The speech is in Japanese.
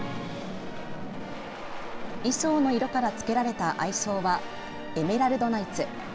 衣装の色からつけられた愛称はエメラルドナイツ。